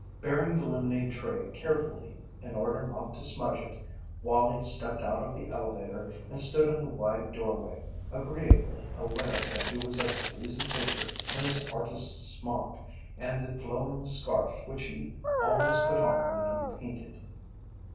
Bearing the lemonade tray carefully in order not to smudge it, Wallie stepped out of the elevator and stood in the wide doorway, agreeably aware that he was a pleasing figure in his artist's smock and the flowing scarf which he always put on when he painted.